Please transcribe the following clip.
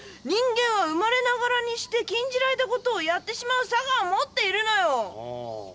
人間は生まれながらにして禁じられた事をやってしまう性を持っているのよ！